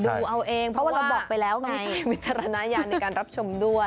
ดูเอาเองเพราะว่าเราบอกไปแล้วไงมีวิจารณญาณในการรับชมด้วย